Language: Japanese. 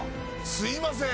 すみません